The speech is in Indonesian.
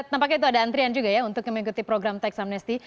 tampaknya itu ada antrian juga ya untuk mengikuti program teks amnesty